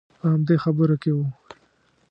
په همدې خبرو کې وو.